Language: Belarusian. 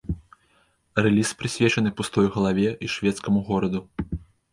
Рэліз прысвечаны пустой галаве і шведскаму гораду.